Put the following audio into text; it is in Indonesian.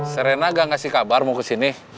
serena gak ngasih kabar mau kesini